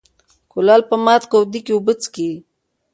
ـ کولال په مات کودي کې اوبه څکي.